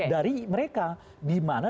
dari mereka dimana